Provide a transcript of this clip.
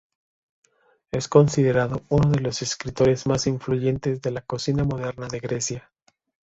Es considerado uno de los escritores más influyentes de la cocina moderna de Grecia.